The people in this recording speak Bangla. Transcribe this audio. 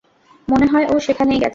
মনে হয় ও সেখানেই গেছে।